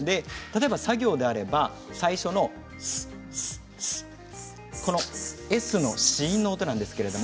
さ行であれば最初のＳの子音の音です。